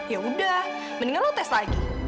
ya sudah sebaiknya kamu tes lagi